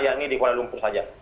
yakni di kuala lumpur saja